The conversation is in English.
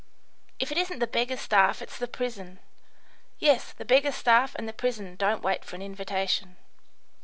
"If it isn't the beggar's staff it's the prison. Yes, the beggar's staff and the prison don't wait for an invitation."